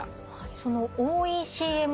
そのＯＥＣＭ